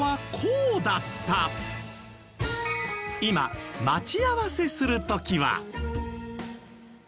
今待ち合わせする時は。